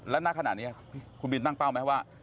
และหน้าขนาดนี้คุณบินตั้งเป้าไหมว่า